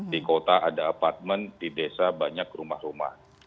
di kota ada apartmen di desa banyak rumah rumah